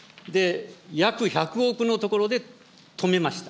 約１００億のところで止めました。